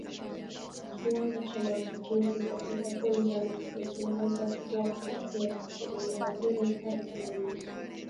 Kiwango cha maambukizi katika kundi la mifugo kinaweza kuwa kati ya asilimia mbili hadi kumi